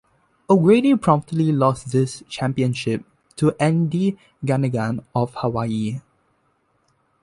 O'Grady promptly lost this "championship" to Andy Ganigan of Hawaii.